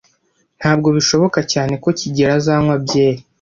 Ntabwo bishoboka cyane ko kigeli azanywa byeri.